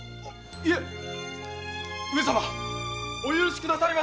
いえ上様お許しくださいませ。